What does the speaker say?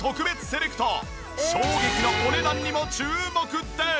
衝撃のお値段にも注目です！